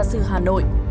gia sư hà nội